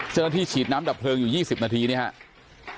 ฉีดน้ำดับเพลิงอยู่๒๐นาทีนี่ครับ